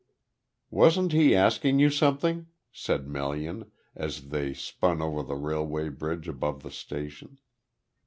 "Wasn't he asking you something?" said Melian, as they spun over the railway bridge above the station.